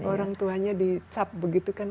orang tuanya dicap begitu kan